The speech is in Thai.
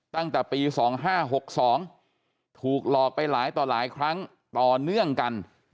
ตั้งแต่ปี๒๕๖๒ถูกหลอกไปหลายต่อหลายครั้งต่อเนื่องกัน